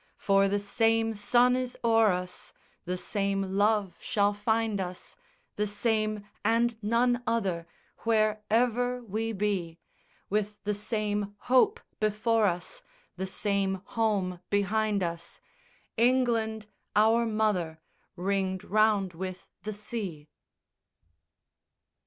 _For the same Sun is o'er us, The same Love shall find us, The same and none other Wherever we be; With the same hope before us, The same home behind us, England, our mother, Ringed round with the sea.